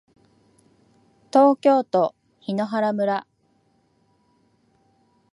東京都檜原村